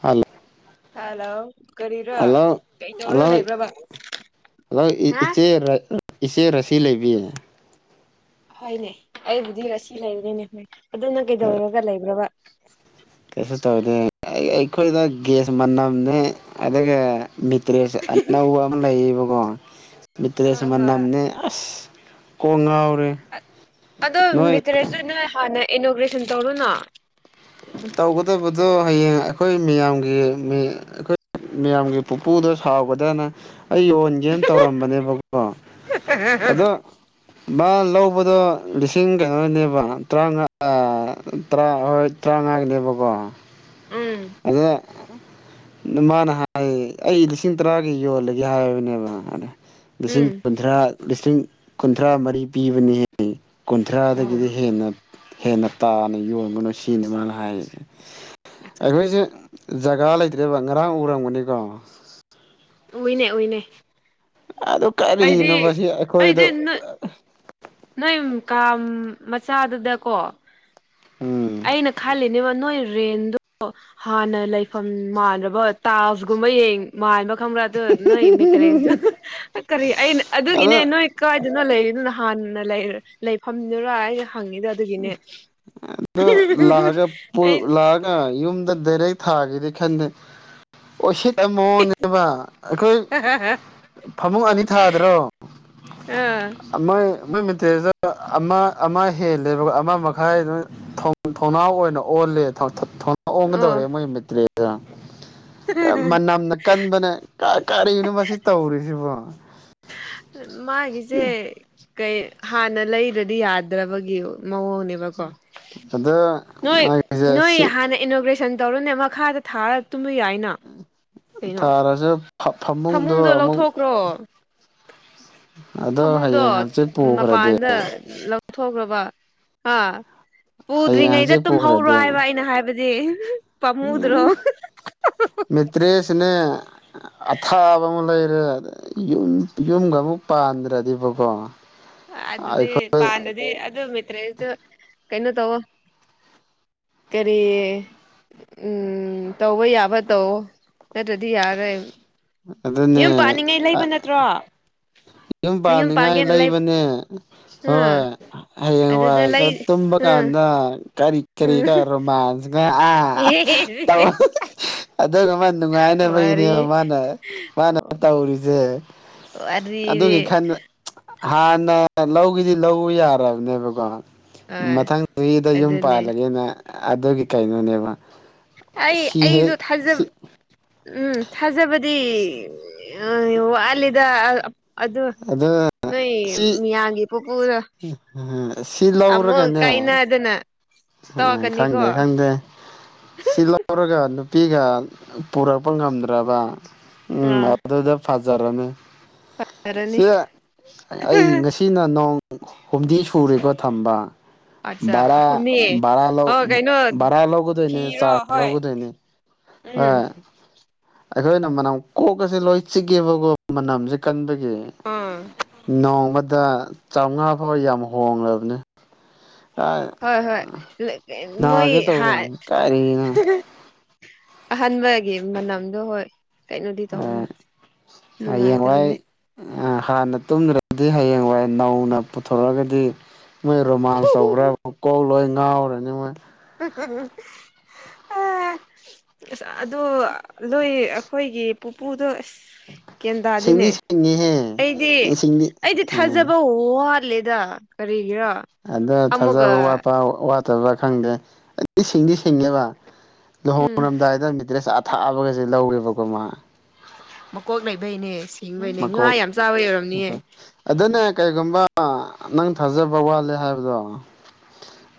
hello hello ꯀꯔꯤꯔꯥ ꯀꯩ ꯇꯧꯔꯒ ꯂꯩꯕ꯭ꯔꯕꯥ ꯅꯪ ꯏꯆꯦ ꯏꯆꯦ ꯔꯥꯁꯤ ꯂꯩꯕꯤ ꯍꯣꯏꯅꯦ ꯑꯩꯕꯨꯗꯤ ꯔꯥꯁꯤ ꯂꯩꯔꯅꯤꯅꯦ ꯍꯣꯏ ꯑꯗꯨ ꯅꯪ ꯀꯩꯗꯧꯔꯒ ꯂꯩꯕ꯭ꯔꯕ ꯀꯩꯁꯨ ꯇꯧꯗꯦ ꯑꯩ ꯑꯩꯈꯣꯏꯗ ꯒꯦꯁ ꯃꯥꯅꯝꯅꯦ ꯑꯗꯨꯒ ꯃꯤꯠ ꯇ꯭ꯔꯦꯁ ꯑꯅꯧꯕ ꯑꯃ ꯂꯩꯌꯦꯕꯀꯣ ꯃꯤꯇ꯭ꯔꯦꯁ ꯍꯣꯏ ꯍꯣꯏ ꯃꯅꯝꯅꯦ ꯑꯁ ꯀꯣꯛ ꯉꯥꯎ ꯑꯗꯣ ꯃꯤꯇ꯭ꯔꯁꯨ ꯅꯣꯏ ꯍꯥꯟꯅ ꯏꯅꯣꯒ꯭ꯔꯦꯁꯟ ꯇꯧꯔꯨꯅ ꯇꯧꯒꯗꯕꯗꯣ ꯍꯌꯦꯡ ꯑꯩꯈꯣꯏ ꯃꯤꯌꯥꯝꯒꯤꯅꯦ ꯑꯩꯈꯣꯏ ꯃꯤꯌꯥꯝꯒꯤ ꯄꯨꯄꯨꯗ ꯁꯥꯎꯒꯗꯅ ꯑꯩ ꯌꯣꯟꯒꯦꯅ ꯇꯧꯔꯝꯕꯅꯦꯕꯀꯣ ꯑꯗꯣ ꯃꯥ ꯂꯧꯕꯗꯣ ꯂꯤꯁꯤꯡ ꯀꯩꯅꯣꯅꯦꯕ ꯇꯔꯥꯃꯉꯥ ꯇꯔꯥ ꯍꯣꯏ ꯇ꯭ꯔꯥꯡꯉ ꯅꯦꯕꯀꯣ ꯎꯝ ꯑꯗꯣ ꯃꯥꯅ ꯍꯥꯏꯌꯦ ꯑꯩ ꯂꯤꯁꯤꯡ ꯇꯔꯥꯒꯤ ꯌꯣꯜꯂꯒꯦ ꯍꯥꯏꯕꯅꯦꯕꯗ ꯎꯝ ꯂꯤꯁꯤꯡ ꯀꯨꯟꯊ꯭ꯔꯥ ꯂꯤꯁꯤꯡ ꯀꯨꯟꯊ꯭ꯔꯥ ꯃꯔꯤ ꯄꯤꯕꯅꯤ ꯎꯝ ꯀꯨꯟꯊ꯭ꯔꯥꯗꯒꯤꯗꯤ ꯍꯦꯟꯅ ꯍꯦꯟꯅ ꯇꯥꯅ ꯌꯣꯟꯒꯅꯨ ꯁꯤꯅꯤ ꯃꯥꯅ ꯍꯥꯏꯔꯤꯁꯦ ꯑꯩꯈꯣꯏꯁꯦ ꯖꯒꯥ ꯂꯩꯇ꯭ꯔꯦꯕ ꯉꯔꯥꯡ ꯎꯔꯝꯒꯅꯤꯀꯣ ꯎꯏꯅꯦ ꯎꯏꯅꯦ ꯑꯗꯨ ꯑꯩꯗꯤ ꯀꯔꯤꯅꯣꯕ ꯁꯤ ꯑꯩꯈꯣꯏꯗꯣ ꯑꯩꯗꯤ ꯅꯣꯏ ꯅꯣꯏ ꯀꯥ ꯃꯆꯥꯗꯨꯗꯀꯣ ꯎꯝ ꯑꯩꯅ ꯈꯜꯂꯤꯅꯦꯕ ꯅꯣꯏ ꯇ꯭ꯔꯦꯟꯗ ꯍꯥꯟꯅ ꯂꯩꯐꯝ ꯃꯥꯟꯗꯕ ꯇꯥꯖꯒꯨꯝꯕꯌꯦꯡ ꯃꯥꯟꯕ ꯈꯕ꯭ꯔꯥ ꯑꯗꯣ ꯅꯣꯏ ꯃꯦꯇꯔꯦꯁ ꯀꯔꯤ ꯑ ꯑꯗꯨꯒꯤꯅꯦ ꯑꯗ ꯅꯣꯏ ꯀꯥꯏꯗꯅꯣ ꯂꯩꯔꯤꯗꯨꯅ ꯅꯍꯥꯟ ꯂꯩ ꯂꯩꯐꯝꯗꯨꯔ ꯑꯩꯅ ꯍꯪꯉꯤꯗꯣ ꯑꯗꯨꯒꯤꯅꯦ ꯑꯗꯣ ꯂꯥꯑꯒ ꯄꯨꯜ ꯑꯩ ꯂꯥꯑꯒ ꯌꯨꯝꯗ ꯗꯥꯏꯔꯦꯛ ꯊꯥꯒꯤꯗꯤ ꯈꯟꯗꯦ ꯎꯁꯤꯠ ꯃꯑꯣꯡꯅꯦꯕ ꯑꯩꯈꯣꯏ ꯐꯃꯨꯡ ꯑꯅꯤ ꯊꯥꯗ꯭ꯔꯣ ꯑ ꯃꯣꯏ ꯃꯣꯏ ꯃꯇ꯭ꯔꯗ ꯑꯃ ꯑꯃ ꯍꯦꯂ ꯕ ꯑꯃ ꯃꯈꯥꯏ ꯑꯗꯨ ꯊꯣꯡꯅꯥꯎ ꯑꯣꯏꯅ ꯑꯣꯜꯂꯦ ꯑꯣ ꯑꯣꯟꯒꯗꯧꯔꯦ ꯃꯣꯏ ꯃꯦꯇ꯭ꯔꯦꯗ ꯃꯅꯝꯅ ꯀꯟꯕꯅꯦ ꯀ ꯀꯔꯤꯅꯣ ꯃꯁꯤ ꯇꯧꯔꯤꯁꯤꯕꯣ ꯃꯥꯒꯤꯁꯦ ꯀꯩ ꯍꯥꯟꯅ ꯂꯩꯔꯗ꯭ꯔꯗꯤ ꯌꯥꯗ꯭ꯔꯕꯒꯤ ꯃꯑꯣꯡꯅꯦꯕꯀꯣ ꯑꯗ ꯅꯣꯏ ꯃꯥꯒꯤꯁꯦ ꯅꯣꯏ ꯁꯤ ꯍꯥꯟꯅ ꯏꯅꯣꯒ꯭ꯔꯦꯁꯟ ꯇꯧꯎꯔꯣꯅꯦ ꯃꯈꯥꯗ ꯊꯥꯔꯒ ꯇꯨꯝꯕ ꯌꯥꯏꯅ ꯀꯩꯅꯣ ꯊꯥꯔꯁꯨ ꯐꯃꯨꯡꯗꯣ ꯑꯃꯨꯛ ꯑꯗꯣ ꯐꯃꯨꯡꯗꯣ ꯍꯌꯦꯡ ꯍꯪꯆꯤꯠ ꯄꯨꯈ꯭ꯔꯗꯤ ꯃꯄꯥꯟꯗ ꯂꯧꯊꯣꯛꯈ꯭ꯔꯕ ꯍꯥ ꯍꯌꯦꯡ ꯄꯨꯗ꯭ꯔꯤꯉꯩꯗ ꯍꯪꯆꯤꯠ ꯇꯨꯝꯍꯧꯔꯣ ꯄꯨꯈ꯭ꯔꯗꯤ ꯍꯥꯏꯕ ꯑꯩꯅ ꯍꯥꯏꯕꯗꯤ ꯄꯃꯨꯗ꯭ꯔꯣ ꯁꯤꯅꯦ ꯑꯊꯥꯕ ꯑꯃ ꯂꯩ ꯨ ꯌꯨꯝꯒ ꯑꯃꯨꯛ ꯄꯥꯟꯗ꯭ꯔꯗꯤꯕꯀꯣ ꯑꯗꯨꯗꯤ ꯑꯩꯈꯣꯏ ꯄꯥꯟꯗꯗꯤ ꯑꯗꯨ ꯃꯤꯇ꯭ꯔꯦꯁꯨ ꯀꯩꯅꯣ ꯇꯧꯑꯣ ꯀꯔꯤ ꯎꯝ ꯇꯧꯕ ꯌꯥꯕ ꯇꯧꯑꯣ ꯅꯠꯇ꯭ꯔꯗꯤ ꯌꯔꯔꯣꯏ ꯑꯗꯨꯗꯅꯦ ꯑ ꯌꯨꯝ ꯃꯌꯨꯝ ꯄꯥꯟꯅꯤꯡꯉꯥꯏ ꯄꯥꯟꯒꯦꯅ ꯂꯩ ꯂꯩꯕꯅꯦ ꯑꯥ ꯍꯣꯏ ꯍꯌꯦꯡ ꯑꯗꯨꯗ ꯋꯥꯏ ꯂꯩ ꯈꯔ ꯇꯨꯝꯕ ꯑꯥ ꯀꯥꯟꯗ ꯀꯔꯤ ꯀꯔꯤ ꯀꯔ ꯔꯣꯃꯥꯟꯁ ꯅꯦ ꯑꯦ [inaudible] ꯑꯗꯨꯒ ꯃꯥ ꯅꯨꯡꯉꯥꯏꯅꯕꯒꯤꯅꯦꯕ ꯃꯥꯅ ꯃꯥꯅ ꯇꯧꯔꯤꯁꯦ ꯋꯥꯔꯤꯗꯤ ꯑꯗꯨꯒꯤ ꯈꯟ ꯍꯥꯟꯅ ꯂꯧꯒꯦꯗꯤ ꯂꯧ ꯌꯥꯔꯕꯅꯦꯕꯀꯣ ꯑꯥ ꯃꯊꯪ ꯆꯍꯤꯗ ꯌꯨꯝ ꯑꯗꯨꯅꯦ ꯄꯥꯜꯂꯒꯦꯅ ꯑꯗꯨꯒꯤ ꯀꯩꯅꯣꯅꯦꯕ ꯑꯩ ꯁꯤ ꯑꯩꯁꯨ ꯍꯦꯛ ꯊꯥꯖꯕ ꯁꯤ ꯎꯝ ꯊꯥꯖꯕꯗꯤ ꯑꯩꯗꯤ ꯑ ꯋꯣꯠꯂꯤꯗ ꯑꯗꯣ ꯑꯗꯨ ꯅꯣꯏ ꯁꯤ ꯃꯤꯌꯥꯝꯒꯤ ꯄꯨꯄꯨꯗ ꯁꯤ ꯂꯧꯔꯒꯅꯦ ꯎꯝ ꯇꯧꯔꯛꯀꯅꯤꯀꯣ ꯈꯪꯗꯦ ꯈꯪꯗꯦ ꯁꯤ ꯂꯧꯔꯒ ꯑꯗꯨꯝ ꯅꯨꯄꯤꯒ ꯄꯨꯔꯛꯄ ꯉꯝꯗ꯭ꯔꯕ ꯎꯝ ꯑꯥ ꯑꯗꯨꯗ ꯐꯖꯔꯅꯤ ꯌꯥꯔꯅꯤ ꯁꯦ ꯑꯩ ꯉꯁꯤꯅ ꯅꯣꯡ ꯍꯨꯝꯗꯤ ꯁꯨꯔꯦꯀꯣ ꯊꯝꯕ ꯑꯠꯆꯥ ꯕꯔꯥ ꯍꯨꯝꯅꯤ ꯚꯔꯥ ꯂꯧ ꯑꯣ ꯀꯩꯅꯣ ꯚꯔꯥ ꯂꯧꯒꯗꯣꯏꯅꯦ ꯊꯤꯔꯣ ꯆꯥꯔꯗ ꯍꯣꯏ ꯂꯧꯒꯗꯣꯏꯅꯦ ꯑ ꯎꯝ ꯑꯩꯈꯣꯏꯅ ꯃꯅꯝ ꯀꯣꯛꯀꯁꯦ ꯂꯣꯏꯆꯤꯛꯑꯦꯕꯀꯣ ꯃꯅꯝꯁꯦ ꯀꯟꯕꯒꯤ ꯎꯝ ꯑꯥ ꯅꯣꯡꯃꯗ ꯆꯥꯝꯃꯉꯥ ꯐꯥꯎꯕ ꯌꯥꯝ ꯍꯣꯡꯂꯕꯅꯤ ꯍꯣꯏ ꯍꯣꯏ ꯃꯣꯏ ꯅꯥꯒꯦ ꯍꯥ ꯇꯧꯋꯦ ꯀꯔꯤꯅꯣ ꯑꯍꯟꯕꯒꯤ ꯃꯅꯝꯗꯨ ꯍꯣꯏ ꯀꯩꯅꯣꯗꯤ ꯇꯧꯅꯤ ꯅꯨꯡꯉꯥꯏꯇꯕꯅꯦ ꯍꯌꯦꯡꯋꯥꯏ ꯍꯥꯟꯅ ꯇꯨꯝꯗ꯭ꯔꯒꯗꯤ ꯍꯌꯦꯡ ꯋꯥꯏ ꯅꯧꯅ ꯄꯨꯊꯣꯔꯛꯑꯒꯗꯤ ꯃꯣꯏ ꯔꯣꯃꯥꯟꯁ ꯇꯧꯕ꯭ꯔꯥ ꯍꯥꯏꯕꯕꯨ ꯀꯣꯛ ꯂꯣꯏ ꯉꯥꯎꯔꯅꯤ ꯃꯣꯏ ꯑ ꯑꯁ ꯑꯗꯣ ꯅꯣꯏ ꯑꯩꯈꯣꯏꯒꯤ ꯄꯨꯄꯨꯗꯣ ꯑꯁ ꯒ꯭ꯌꯥꯟꯇꯗꯤꯅꯦ ꯁꯤꯡꯗꯤ ꯁꯤꯡꯉꯤꯍꯦ ꯑꯩꯗꯤ ꯁꯤꯡꯗꯤ ꯑꯩꯗꯤ ꯎꯝ ꯊꯥꯖꯕ ꯋꯥꯠ ꯇꯜꯂꯦꯗ ꯀꯔꯤꯒꯤꯔ ꯑꯗꯣ ꯊꯥꯖꯕ ꯋꯥꯠꯄ ꯋꯥꯠꯇꯕ ꯈꯪꯗꯦ ꯑꯩ ꯁꯤꯡꯗꯤ ꯁꯤꯡꯉꯦꯕ ꯎꯝ ꯂꯨꯍꯧꯡꯔꯝꯗꯥꯏꯗ ꯃꯦꯇ꯭ꯔꯦꯁ ꯑꯊꯥꯑꯕꯒꯁꯦ ꯂꯧꯔꯦꯕꯀꯣ ꯃꯥ ꯃꯀꯣꯛ ꯂꯩꯕꯩꯅꯦ ꯁꯤꯡꯕꯩꯅꯦ ꯉꯥ ꯃꯈꯣꯜ ꯌꯥꯝ ꯆꯥꯕꯩ ꯑꯣꯏꯔꯝꯅꯤꯌꯦ ꯑꯗꯨꯅ ꯀꯩꯒꯨꯝꯕ ꯅꯪ ꯊꯥꯖꯕ ꯋꯥꯠꯂꯦ ꯍꯥꯏꯕꯗꯣ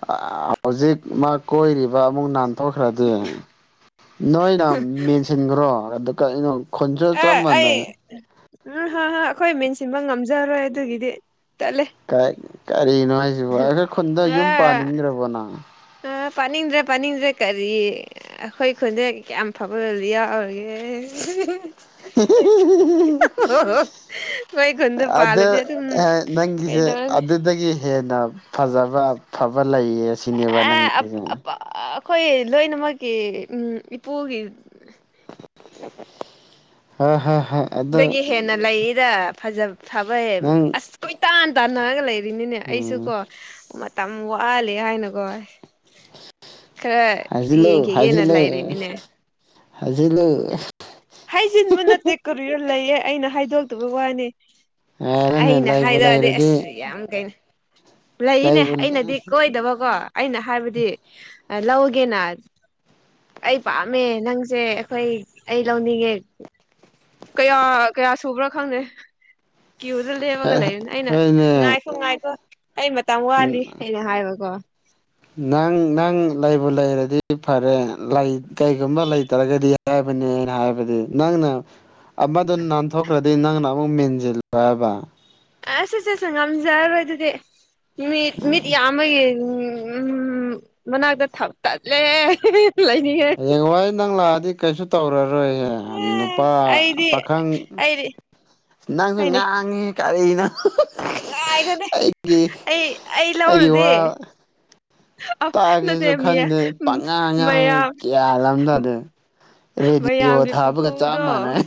ꯍꯧꯖꯤꯛ ꯃꯥ ꯀꯣꯏꯔꯤꯕ ꯑꯃꯨꯛ ꯅꯥꯟ ꯇꯧꯈ꯭ꯔꯗꯤ ꯅꯣꯏꯅ ꯃꯦꯟꯁꯤꯟꯈ꯭ꯔꯣ ꯑꯗꯨꯒ ꯑꯩꯅ ꯈꯣꯟꯖꯤꯜ ꯆꯞ ꯑꯦ ꯑꯩ ꯃꯥꯟꯅꯔꯦ ꯎꯝ ꯍꯥ ꯍꯥ ꯑꯩꯈꯣꯏ ꯃꯦꯟꯁꯤꯟꯕ ꯉꯝꯖꯔꯣꯏ ꯑꯗꯨꯒꯤꯗꯤ ꯇꯠꯂꯦ ꯀ ꯀꯔꯤꯅꯣ ꯍꯥꯏꯁꯤꯕ ꯑꯩꯈꯣꯏ ꯈꯨꯟꯗ ꯌꯨꯝ ꯄꯥꯅꯤꯡꯗ꯭ꯔꯕꯣ ꯅꯪ ꯑ ꯄꯥꯅꯤꯡꯗ꯭ꯔꯦ ꯄꯥꯅꯤꯡꯗ꯭ꯔꯦ ꯀꯔꯤ ꯑꯩꯈꯣꯏ ꯈꯨꯟꯗ ꯀꯌꯥꯝ ꯐꯕꯕꯗꯤ ꯌꯥꯎꯔꯤꯒꯦ ꯏꯁ ꯍꯤꯍꯤꯍꯤ ꯈꯣꯏ ꯈꯨꯟꯗ ꯑꯗ ꯄꯥꯜꯂꯗꯤ ꯑꯗꯨꯝ ꯑꯦ ꯅꯪꯒꯤꯁꯦ ꯀꯩꯗꯧꯔꯅꯤ ꯑꯗꯨꯗꯒꯤ ꯍꯦꯟꯅ ꯐꯖꯕ ꯐꯕ ꯂꯩꯌꯦ ꯁꯤꯅꯦꯕ ꯑꯦ ꯅꯪꯒꯤꯁꯦ ꯑꯩꯈꯣꯏ ꯂꯣꯏꯅꯃꯛꯀꯤ ꯎꯝ ꯏꯄꯨꯒꯤ ꯍꯥ ꯍꯥꯥ ꯗꯗꯥꯒꯤ ꯍꯦꯟꯅ ꯂꯩꯔ ꯐꯖ ꯐꯕꯦ ꯅꯪ ꯑꯁ ꯀꯣꯏꯇꯥꯟ ꯇꯥꯟꯅꯔꯒ ꯂꯩꯔꯤꯅꯤꯅꯦ ꯑꯩꯁꯨ ꯎꯝ ꯀꯣ ꯃꯇꯝ ꯋꯥꯂꯦ ꯍꯥꯏꯅ ꯀꯣ ꯈꯔ ꯌꯦꯡꯈꯤꯒꯦꯅ ꯂꯩꯔꯤꯅꯤꯅꯦ ꯍꯥꯏꯖꯤꯂꯦ ꯍꯥꯏꯖꯤꯟꯕ ꯅꯠꯇꯦ ꯀꯔꯤꯔ ꯂꯩꯌꯦ ꯑꯩꯅ ꯍꯥꯏꯗꯣꯛꯇꯕ ꯋꯥꯅꯤ ꯍꯥꯏꯔꯅꯦ ꯑꯩꯅ ꯂꯩꯕꯨ ꯍꯥꯏꯔꯛꯑꯗꯤ ꯂꯩꯔꯗꯤ ꯑꯁ ꯌꯥꯝ ꯀꯩꯅꯣ ꯂꯩꯅꯦ ꯂꯩꯕꯨ ꯑꯩꯅꯗꯤ ꯀꯣꯏꯗꯕꯀꯣ ꯑꯩꯅ ꯍꯥꯏꯕꯗꯤ ꯗꯤ ꯂꯧꯒꯦꯅ ꯑꯩ ꯄꯥꯝꯃꯦ ꯅꯪꯁꯦ ꯑꯩꯈꯣꯏ ꯑꯩ ꯂꯧꯅꯤꯡꯉꯦ ꯀꯌꯥ ꯀꯌꯥ ꯁꯨꯕ꯭ꯔꯥ ꯈꯪꯗꯦ ꯀ꯭ꯌꯨꯗ ꯂꯦꯝꯃꯒ ꯂꯩꯕꯅꯤ ꯑꯩꯅ ꯍꯣꯏꯅꯦ ꯉꯥꯏꯈꯣ ꯉꯥꯏꯈꯣ ꯑꯩ ꯃꯇꯝ ꯋꯥꯠꯂꯤ ꯑꯩꯅ ꯍꯥꯏꯕꯀꯣ ꯅꯪ ꯅꯪ ꯂꯩꯕꯨ ꯂꯩꯔꯗꯤ ꯐꯔꯦ ꯂꯩ ꯀꯩꯒꯨꯝꯕ ꯂꯩꯇ꯭ꯔꯒꯗꯤ ꯕꯅꯦ ꯑꯩꯅ ꯥꯏꯕꯗꯤ ꯅꯪꯅ ꯑꯃꯗꯣ ꯅꯥꯟꯊꯣꯛꯈ꯭ꯔꯗꯤ ꯅꯪꯅ ꯑꯃꯨꯛ ꯃꯦꯟꯁꯤꯜꯂꯣ ꯍꯥꯏꯕ ꯑꯁ ꯑꯁꯦ ꯑꯁ ꯉꯝꯖꯔꯔꯣꯏ ꯑꯗꯨꯗꯤ ꯃꯤꯠ ꯃꯤꯠ ꯌꯥꯝꯕꯒꯤ ꯎꯝ ꯃꯅꯥꯛꯇ ꯊꯥꯛ ꯇꯜꯂꯦ ꯍꯌꯦꯡ ꯋꯥꯏ ꯅꯪ ꯂꯥꯛꯑꯗꯤ ꯀꯩꯁꯨ ꯇꯧꯔ ꯔꯣꯏꯍꯦ ꯅꯨꯄꯥ ꯑꯩꯗꯤ ꯄꯥꯈꯪ ꯑꯩꯗꯤ ꯅꯪꯁꯨ ꯉꯥꯡꯉꯦꯍꯦ ꯀꯔꯤꯅꯣ ꯉꯥꯏꯒꯅꯤ ꯒꯤ ꯑꯩ ꯑꯩ ꯑꯩꯒꯤ ꯂꯧꯔꯗꯤ ꯋꯥ ꯑ ꯅꯠꯇꯦ ꯇꯥꯒꯦꯁꯨ ꯃꯤꯌꯥ ꯈꯟꯗꯦ ꯎꯝ ꯄꯪꯉꯥꯡ ꯉꯥꯡꯉ ꯃꯌꯥꯝ ꯒ꯭ꯌꯥꯟ ꯑꯝ ꯇꯥꯗꯦ ꯔꯦꯗꯤꯌꯣ ꯃꯌꯥꯝꯒꯤ ꯊꯥꯕꯒ ꯆꯥꯞ ꯄꯨꯄꯨꯗꯣ ꯃꯥꯟꯅꯩ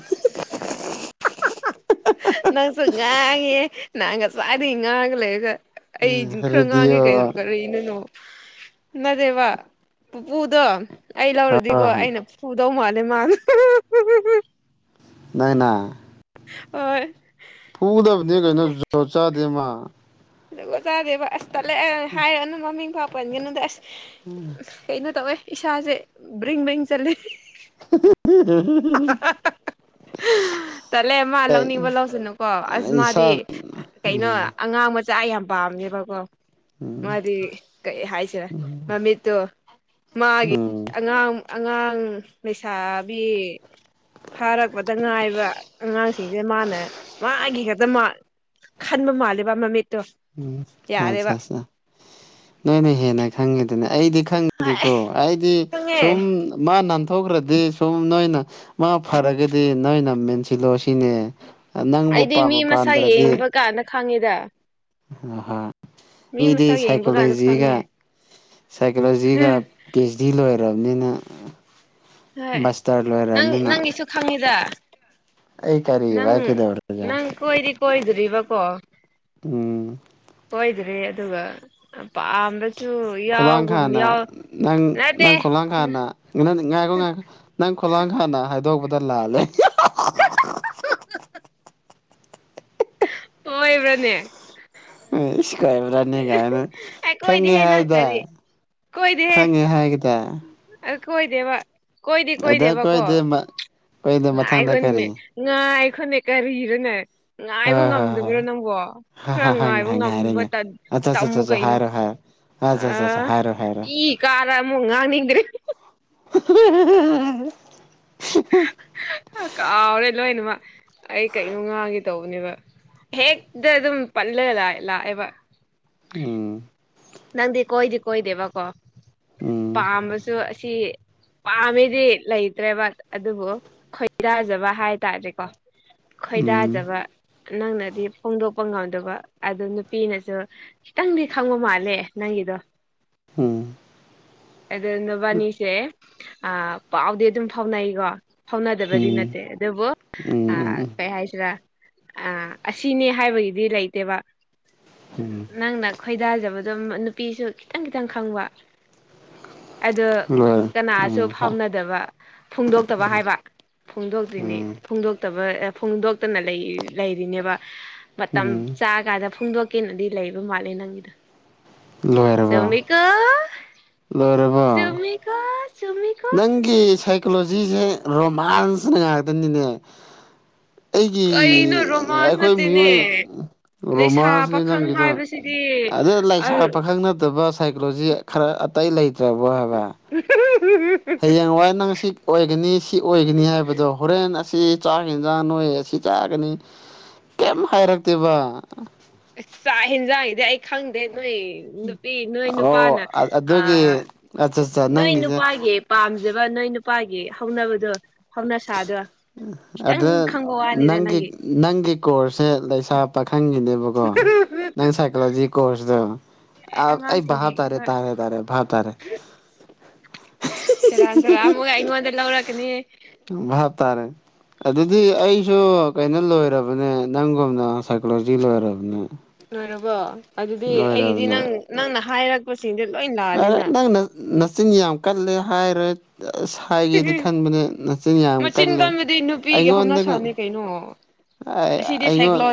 ꯅꯪꯁꯨ ꯉꯥꯡꯉꯦ ꯅꯪ ꯉꯁꯥꯏꯗꯒꯤ ꯉꯥꯡꯉ ꯂꯩꯔꯒ ꯎꯝ ꯑꯩꯖꯨ ꯈꯔ ꯉꯥꯡꯉꯦ ꯀꯩꯅꯣ ꯔꯦꯗꯤꯑꯣ ꯀꯔꯤꯅꯣꯅꯣ ꯅꯗꯦꯕ ꯄꯨꯄꯨꯗꯣ ꯑꯩ ꯂꯧꯔꯗꯤꯀꯣ ꯑꯩꯅ ꯐꯨ ꯗꯧ ꯃꯥꯂꯦ ꯃꯥ ꯅꯪꯅ ꯐꯨꯗꯕꯅꯦ ꯀꯩꯅꯣ ꯖꯣ ꯆꯥꯗꯦ ꯃꯥ ꯖꯨꯒꯣꯠ ꯆꯥꯗꯦꯕ ꯑꯁ ꯇꯜꯂꯦ ꯍꯥꯏꯔꯅꯨ ꯃꯃꯤꯡ ꯐꯥꯎ ꯄꯟꯒꯅꯨꯗ ꯑꯁ ꯀꯩꯅꯣ ꯇꯧꯋꯦ ꯏꯁꯥꯁꯦ ꯕ꯭ꯔꯤꯡ ꯕ꯭ꯔꯤꯡ ꯆꯠꯂꯦ ꯎꯝ ꯇꯜꯂꯦ ꯃꯥ ꯂꯧꯅꯤꯡꯕ ꯂꯧꯁꯅꯨꯀꯣ ꯑꯁ ꯃꯥꯗꯤ ꯏꯁꯥ ꯀꯩꯅꯣ ꯎꯝ ꯑꯉꯥꯡ ꯃꯆꯥ ꯌꯥꯝ ꯄꯥꯝꯃꯦꯕꯀꯣ ꯎꯝ ꯃꯥꯗꯤ ꯀꯩ ꯍꯥꯏꯁꯤꯔ ꯃꯃꯤꯠꯇꯣ ꯃꯥꯒꯤ ꯎꯝ ꯑꯉꯥꯡ ꯑꯉꯥꯡ ꯂꯩꯁꯥꯕꯤ ꯐꯥꯔꯛꯄꯗ ꯉꯥꯏꯕ ꯑꯉꯥꯡꯁꯤꯡꯁꯦ ꯃꯥꯅ ꯃꯥꯒꯤ ꯈꯛꯇꯃꯛ ꯈꯟꯕ ꯃꯥꯜꯂꯦꯕ ꯃꯃꯤꯠ ꯎꯝ ꯑꯠꯆꯥ ꯑꯠꯆꯥ ꯅꯣꯏꯅ ꯍꯦꯟꯅ ꯈꯪꯉꯦꯗꯅ ꯑꯩꯗꯤ ꯍꯣꯏ ꯈꯪꯗꯦꯀꯣ ꯑꯩꯗꯤ ꯈꯪꯉꯦ ꯁꯨꯝ ꯃꯥ ꯍꯧꯈ꯭ꯔꯗꯤ ꯁꯨꯝ ꯅꯣꯏꯅ ꯃꯥ ꯐꯔꯒꯗꯤ ꯅꯣꯏꯅ ꯃꯦꯟꯁꯤꯜꯂꯣ ꯁꯤ ꯁꯤꯅꯦ ꯅꯪꯕꯨ ꯑꯩꯗꯤ ꯃꯤ ꯄꯥꯟꯕꯨ ꯃꯁꯛ ꯄꯥꯟꯗ꯭ꯔꯗꯤ ꯌꯦꯡꯕ ꯀꯥꯟꯗ ꯈꯪꯉꯦꯗ ꯑ ꯍ ꯃꯤ ꯃꯤꯗꯤ ꯃꯁꯛ ꯌꯦꯡꯕ ꯀꯥꯟꯗ ꯁꯥꯏꯀꯣꯂꯣꯖꯤꯒ ꯈꯪꯉꯦ ꯁꯥꯏꯀꯣꯂꯣꯖꯤꯒ ꯄꯤ ꯑꯩꯆ ꯗꯤ ꯂꯣꯏꯔꯕꯅꯤꯅ ꯍꯣꯏ ꯃꯥꯁꯇꯔ ꯅꯪ ꯂꯣꯢꯔꯕꯅꯤꯅ ꯅꯪꯒꯤꯁꯨ ꯈꯪꯉꯤꯗ ꯅꯪ ꯅꯪ ꯀꯣꯏꯗꯤ ꯀꯣꯏꯗ꯭ꯔꯤꯕꯀꯣ ꯎꯝ ꯀꯣꯏꯗ꯭ꯔꯦ ꯑꯗꯨꯒ ꯄꯥꯝꯕ ꯈꯨꯂꯥꯡ ꯈꯥꯡꯅ ꯅꯪ ꯅꯠꯇꯦ ꯅꯪ ꯈꯨꯂꯥꯡ ꯈꯥꯡꯅ ꯉꯥꯏꯈꯣ ꯉꯪꯢꯈꯣ ꯍꯥꯟꯅ ꯍꯥꯏꯗꯣꯛꯄꯗ ꯂꯥꯜꯂꯦ ꯑꯌꯣꯢꯕ꯭ꯔꯅꯦ ꯎꯝ ꯏꯁ ꯀꯥꯏꯕꯅ ꯀꯥꯏꯅ ꯑꯩ ꯈꯪꯉꯦ ꯀꯣꯏꯗꯦꯍꯦ ꯅꯪ ꯍꯥꯏꯗ ꯀꯔꯤ ꯈꯪꯉꯦ ꯍꯥꯏꯒꯗ ꯑꯗꯨ ꯀꯣꯏꯗꯦꯕ ꯀꯣꯏꯗꯤ ꯑꯗ ꯀꯣꯏꯗꯦꯕ ꯀꯣ ꯑꯩꯈꯣꯏꯗꯤ ꯑꯩꯈꯣꯏꯗꯤ ꯃꯊꯪꯗ ꯉꯥꯏꯈꯣꯃꯦ ꯀꯔꯤ ꯉꯥꯢ ꯈꯪꯗꯦ ꯀꯔꯤꯔꯣꯅꯦ ꯉꯥꯏꯕ ꯍꯣꯏ ꯍꯣꯏ ꯍꯣꯏ ꯉꯝꯗꯕ꯭ꯔꯣ ꯅꯪꯕꯣ ꯈꯔ ꯉꯥꯏꯕ ꯉꯝꯕ ꯇꯟ ꯇꯝꯃꯨ ꯑꯆꯥꯆꯥꯆꯥ ꯀꯩꯅꯣ ꯍꯥꯏꯔꯣ ꯍꯥꯢꯔꯣ ꯑ ꯏ ꯀꯥꯔ ꯑꯃꯨꯛ ꯉꯥꯡꯅꯤꯡꯗ꯭ꯔꯦ ꯍꯍꯍꯍꯍꯍ ꯀꯥꯎꯔꯦ ꯂꯣꯏꯅꯃꯛ ꯑꯩ ꯀꯩꯅꯣ ꯉꯥꯡꯒꯦ ꯇꯧꯕꯅꯦꯕ ꯍꯦꯛꯗ ꯑꯗꯨꯝ ꯄꯜꯂꯒ ꯂꯥ ꯂꯥꯛꯑꯦꯕ ꯎꯝ ꯅꯪꯗꯤ ꯀꯣꯏꯗꯤ ꯀꯣꯏꯗꯦꯕꯀꯣ ꯎꯝ ꯄꯥꯝꯕꯁꯨ ꯑꯁꯤ ꯄꯥꯝꯃꯤꯗꯤ ꯂꯩꯇ꯭ꯔꯦꯕ ꯑꯗꯨꯕꯨ ꯈꯣꯏꯗꯥꯖꯕ ꯍꯥꯏꯇꯥꯔꯦꯀꯣ ꯎꯝ ꯈꯣꯏꯗꯥꯖꯕ ꯅꯪꯅꯗꯤ ꯐꯣꯡꯗꯣꯛꯄ ꯉꯝꯗꯕ ꯑꯗꯨ ꯅꯨꯄꯤꯅꯁꯨ ꯈꯤꯇꯪꯗꯤ ꯈꯪꯕ ꯃꯥꯟ ꯂꯦ ꯅꯪꯒꯤꯗꯣ ꯎꯝ ꯑꯗꯨ ꯅꯕꯥꯅꯤꯁꯦ ꯑ ꯄꯥꯎꯗꯤ ꯑꯗꯨꯝ ꯐꯥꯎꯅꯩꯀꯣ ꯐꯥꯎꯅꯗꯕꯗꯤ ꯎꯝ ꯅꯠꯇꯦ ꯑꯗꯨꯕꯨ ꯎꯝ ꯎꯝ ꯎꯝ ꯀꯩ ꯍꯥꯏꯁꯤꯔꯥ ꯑ ꯑꯁꯤꯅꯤ ꯍꯥꯏꯕꯒꯤꯗꯤ ꯂꯩꯇꯦꯕ ꯎꯝ ꯅꯪꯅ ꯈꯣꯏꯗꯥꯖꯕ ꯑꯗꯨꯝ ꯅꯨꯄꯤꯁꯨ ꯈꯤꯇꯪ ꯈꯤꯇꯪ ꯈꯪꯕ ꯑꯗꯣ ꯂꯣꯏꯔꯦ ꯀꯅꯥꯁꯨ ꯎꯝ ꯐꯥꯎꯅꯗꯕ ꯐꯣꯡꯗꯣꯛꯇꯕ ꯍꯥꯏꯕ ꯐꯣꯡꯗꯣꯛꯇꯣꯏꯅꯤ ꯎꯝ ꯐꯣꯡꯗꯣꯛꯇꯕ ꯑ ꯐꯣꯡꯗꯣꯛꯇꯅ ꯂꯩ ꯂꯩꯔꯤꯅꯦꯕ ꯃꯇꯝ ꯎꯝ ꯆꯥ ꯀꯥꯟꯗ ꯐꯣꯡꯗꯣꯛ ꯀꯦꯅꯗꯤ ꯂꯩꯕ ꯃꯥꯜꯂꯦ ꯅꯪꯒꯤꯗꯣ ꯂꯣꯏꯔꯕꯣ ꯆꯨꯝꯃꯤꯀꯣ ꯂꯣꯏꯔꯕꯣ ꯆꯨꯝꯃꯤꯀꯣ ꯆꯨꯝꯃꯤꯀꯣ ꯅꯪꯒꯤ ꯁꯥꯏꯀꯣꯂꯣꯖꯤꯁꯦ ꯔꯣꯃꯥꯟꯁꯅ ꯉꯥꯛꯇꯅꯤꯅꯦ ꯑꯩꯒꯤ ꯀꯩꯅꯣ ꯔꯣꯃꯥꯟꯁ ꯑꯩꯈꯣꯏ ꯃꯤꯑꯣꯏ ꯅꯠꯇꯦꯅꯦ ꯂꯩꯁꯥ ꯔꯣꯃꯥꯟꯁꯅꯤ ꯄꯥꯈꯪ ꯅꯪꯒꯤꯗꯣ ꯍꯥꯏꯕꯁꯤꯗꯤ ꯑꯗꯨ ꯂꯩꯥꯏꯁꯥ ꯄꯥꯈꯪ ꯅꯠꯇꯕ ꯁꯥꯏꯀꯣꯂꯣꯖꯤ ꯈꯔ ꯑꯇꯩ ꯂꯩꯇ꯭ꯔꯕꯣ ꯍꯥꯏꯕ ꯍꯌꯦꯡ ꯋꯥꯏ ꯅꯪ ꯁꯤ ꯑꯣꯏꯒꯅꯤ ꯁꯤ ꯑꯣꯏꯒꯅꯤ ꯍꯥꯏꯕꯗꯣ ꯍꯣꯔꯦꯟ ꯑꯁ ꯁꯤ ꯆꯥꯔꯒ ꯌꯦꯟꯖꯥꯡ ꯅꯣꯏ ꯑꯁꯤ ꯆꯥꯒꯅꯤ ꯀꯩꯝ ꯍꯥꯏꯔꯛꯇꯦꯕ ꯆꯥꯛ ꯍꯦꯟꯖꯥꯡꯒꯤꯗꯤ ꯑꯩ ꯈꯪꯗꯦ ꯅꯣꯏ ꯅꯨꯄꯤ ꯅꯣꯏ ꯑꯣ ꯅꯨꯄꯥꯅ ꯑꯥ ꯑꯗꯨꯒꯤ ꯑꯠꯆꯥ ꯑꯠꯆꯥ ꯅꯣꯏ ꯅꯪꯒꯤꯁꯦ ꯅꯨꯄꯥꯒꯤ ꯄꯥꯝ ꯐꯖꯕ ꯅꯣꯏ ꯅꯨꯄꯥꯒꯤ ꯍꯧꯅꯕꯗꯣ ꯍꯧꯅꯁꯥꯗꯣ ꯈꯤꯇꯪ ꯑꯗꯨ ꯈꯪꯕ ꯋꯥꯅꯤꯗ ꯅꯪꯒꯤ ꯅꯪꯒꯤ ꯀꯣꯔꯁꯦ ꯂꯩꯁꯥ ꯄꯥꯈꯪ ꯅꯪꯒꯤꯅꯦꯕꯀꯣ ꯅꯪ ꯁꯥꯏꯀꯣꯂꯣꯖꯤ ꯀꯣꯔꯁꯂꯣ ꯑꯦ ꯑꯥ ꯑꯩ ꯑꯉꯥꯡꯁꯤꯡꯁꯦ ꯚꯥꯞ ꯇꯥꯔꯦ ꯍꯣꯏ ꯇꯥꯔꯦ ꯇꯥꯔꯦ ꯇꯥꯔꯦ ꯁꯦꯔꯥꯟ ꯇꯨꯔꯥꯟ ꯑꯃꯨꯛꯀ ꯑꯩꯉꯣꯟꯗ ꯂꯧꯔꯛꯀꯅꯤ ꯥ ꯕꯥꯞ ꯇꯥꯔꯦ ꯑꯗꯨꯗꯤ ꯑꯩꯁꯨ ꯀꯩꯅꯣ ꯂꯣꯏꯔꯕꯅꯦ ꯅꯪꯒꯨꯝꯅ ꯁꯥꯏꯀꯣꯂꯣꯖꯤ ꯂꯣꯏꯔꯕꯅꯦ ꯂꯣꯏꯔꯕꯣ ꯑꯗꯨꯗꯤ ꯑꯩꯒꯤꯗꯤ ꯅꯪ ꯅꯪꯅ ꯍꯥꯏꯔꯛ ꯑꯥ ꯅꯪꯅ ꯅꯆꯤꯟ ꯌꯥꯝ ꯀꯜꯂꯦ ꯍꯥꯏꯔ ꯑꯁ ꯍꯥꯏꯒꯦꯗꯤ ꯈꯟꯕꯅꯦ ꯅꯆꯤꯟ ꯌꯥꯝ ꯃꯆꯤꯟ ꯀꯜꯂꯦ ꯀꯟꯕꯗꯤ ꯅꯨꯄꯤꯒꯤ ꯑꯩꯉꯣꯟꯗꯒ ꯍꯧꯅꯁꯥꯅꯤ ꯀꯩꯅꯣ ꯑꯥ ꯑꯩꯉꯣꯟ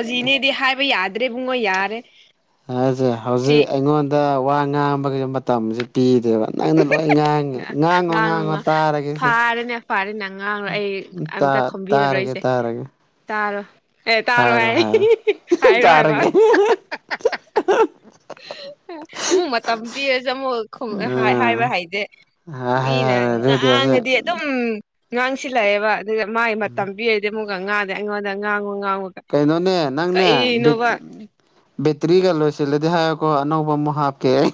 ꯑꯗꯨꯗꯤ ꯏꯕꯨꯡꯉꯣ ꯌꯥꯔꯦ ꯍꯥꯏꯁꯦ ꯁꯤ ꯍꯧꯖꯤꯛ ꯑꯩꯉꯣꯟꯗ ꯋꯥ ꯉꯥꯡꯕꯒꯤ ꯃꯇꯝꯁꯤ ꯄꯤꯗꯦꯕ ꯅꯪꯅ ꯂꯣꯏ ꯉꯥꯡꯉꯦ ꯉꯥꯡꯉꯣ ꯉꯥꯡꯉꯣ ꯇꯥꯔꯒꯦꯁꯦ ꯐꯥꯔꯦꯅꯦ ꯐꯥꯔꯦꯅꯦ ꯉꯥꯡꯔꯣꯏ ꯑꯩ ꯇꯥ ꯑꯝꯇ ꯇꯥꯔꯒꯦ ꯈꯨꯝꯕꯤꯔꯔꯣꯏꯁꯦ ꯇꯥꯔꯒꯦ ꯇꯥꯔꯣ ꯑꯦ ꯇꯥꯔꯣ ꯍꯥꯏꯔꯣ ꯍꯥꯏ ꯍꯥꯏꯔꯣ ꯍꯥꯏꯔꯣ ꯍꯥꯏꯕ ꯇꯥꯔꯒꯦ ꯑꯃꯨꯛ ꯃꯇꯝ ꯄꯤꯔꯁꯨ ꯑꯃꯨꯛ ꯈꯨꯝꯑꯦ ꯍꯥꯏꯕ ꯎꯝ ꯍꯩꯇꯦ ꯃꯤꯅ ꯍꯥꯏꯔꯦ ꯔꯦꯗꯤꯑꯣꯁꯦ ꯉꯥꯡꯉꯗꯤ ꯑꯗꯨꯝ ꯉꯥꯡꯁꯤꯜꯂꯛꯌꯦꯕ ꯑꯗꯨꯒ ꯃꯥꯒꯤ ꯃꯇꯝ ꯄꯤꯔꯗꯤ ꯑꯃꯨꯛꯀ ꯉꯥꯡꯗꯦ ꯑꯩꯉꯣꯟꯗ ꯉꯥꯡꯉꯣꯌꯧ ꯀꯩꯅꯣꯅꯦ ꯅꯪꯅꯦ ꯕꯤꯠ ꯕꯤꯠ ꯇ꯭ꯔꯤꯒ ꯂꯣꯏꯁꯤꯜꯂꯗꯤ ꯍꯥꯏꯌꯨꯀꯣ ꯑꯅꯧꯕ ꯑꯃꯨꯛ ꯍꯥꯞꯀꯦ ꯑꯩ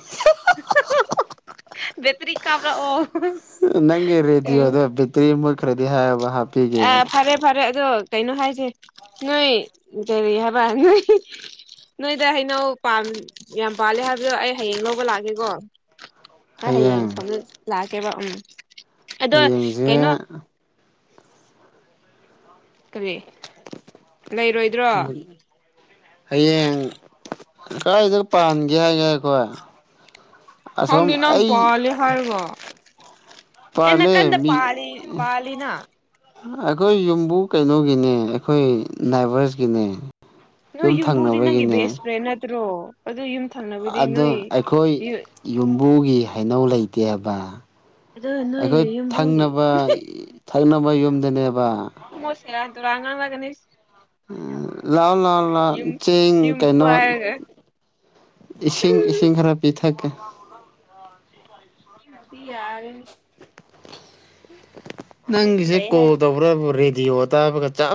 [inaudible] ꯕꯦꯇ꯭ꯔꯤ ꯀꯥꯞꯂꯛꯑꯣ ꯈꯔꯗꯤ ꯍꯥꯏꯌꯣꯕ ꯍꯥꯞ ꯑꯦ ꯐꯔꯦ ꯐꯔꯦ ꯑꯗꯨꯗꯤ ꯑꯗꯣ ꯀꯩꯅꯣ ꯍꯥꯏꯁꯦ ꯅꯣꯏ ꯀꯔꯤ ꯍꯥꯏꯕ ꯅꯣꯏ ꯅꯣꯏꯗ ꯍꯩꯅꯧ ꯌꯥꯝ ꯄꯥꯜꯂꯦ ꯍꯥꯏꯕꯗꯣ ꯑꯩ ꯍꯌꯦꯡ ꯂꯧꯕ ꯂꯥꯛꯀꯦꯀꯣ ꯑꯩ ꯍꯌꯦꯡ ꯁꯣꯝꯗ ꯂꯥꯛꯀꯦꯕ ꯎꯝ ꯑꯗꯣ ꯍꯌꯦꯡꯁꯦ ꯀꯩꯅꯣ ꯀꯔꯤ ꯂꯩꯔꯣꯏꯗ꯭ꯔꯣ ꯍꯌꯦꯡ ꯀꯥꯏꯗ ꯄꯥꯟꯒꯦ ꯍꯥꯏꯁꯦ ꯍꯣꯏ ꯑꯁꯣꯝ ꯈꯪꯗꯦ ꯅꯪ ꯑꯩ ꯄꯥꯜꯂꯦ ꯍꯥꯏꯔꯒ ꯑꯦ ꯄꯥꯜꯂꯦ ꯅꯥꯀꯟꯗ ꯃꯤ ꯄꯥꯜꯂꯤ ꯄꯥꯜꯂꯤꯅ ꯑꯩꯈꯣꯏ ꯌꯨꯝꯕꯨ ꯀꯩꯅꯣꯒꯤꯅꯦ ꯑꯩꯈꯣꯏ ꯅꯥꯏꯚꯔꯁꯀꯤꯅꯦ ꯅꯣꯏ ꯌꯨꯝ ꯌꯨꯝꯕꯨꯗꯤ ꯅꯪꯒꯤ ꯊꯪꯅꯕꯒꯤꯅꯦ ꯕꯦꯁ ꯐ꯭ꯔꯦꯟ ꯅꯠꯇ꯭ꯔꯣ ꯑꯗꯨ ꯌꯨꯝ ꯊꯪꯅꯕꯗꯤ ꯑꯗꯣ ꯅꯣꯏ ꯑꯩꯈꯣꯏ ꯌꯨꯝꯕꯨꯒꯤ ꯍꯩꯅꯧ ꯂꯩꯇꯦꯕ ꯑꯗꯨ ꯅꯣꯏ ꯑꯩꯈꯣꯏ ꯌꯨꯝꯕꯨꯒꯤ ꯊꯪꯅꯕ ꯊꯡꯅꯕ ꯌꯨꯝꯗꯅꯦꯕ ꯃꯣꯏ ꯁꯦꯔꯥꯟ ꯇꯨꯔꯥꯟ ꯉꯥꯡꯅꯒꯅꯤ ꯎꯝ ꯂꯥꯎ ꯂꯥꯎ ꯂꯥꯎ ꯌꯨꯝ ꯆꯦꯡ ꯌꯨꯝꯕꯨ ꯀꯩꯅꯣ ꯍꯥꯏꯔꯒ ꯏꯁꯤꯡ ꯏꯁꯤꯡ ꯈꯔ ꯄꯤꯊꯛꯀꯦ ꯑꯩꯕꯨꯗꯤ ꯌꯥꯔꯦꯅꯦ ꯅꯪꯒꯤꯁꯦ ꯀꯣꯜ ꯇꯧꯕ꯭ꯔꯕꯨ ꯔꯦꯗꯤꯑꯣ ꯇꯥꯕꯒ ꯆꯞ